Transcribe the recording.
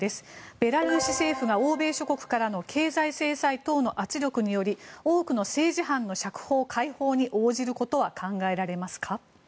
ベラルーシ政府が欧米諸国からの経済制裁等の圧力により多くの政治犯の釈放解放に応じることは考えられますか？